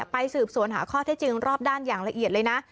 ไปสืบสวนหาข้อเท็จจริงรอบด้านอย่างละเอียดเลยนะ